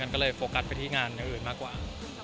ก็เลยโฟกัสไปที่งานอย่างอื่นมากกว่า